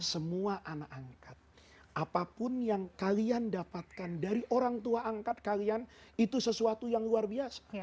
semua anak angkat apapun yang kalian dapatkan dari orang tua angkat kalian itu sesuatu yang luar biasa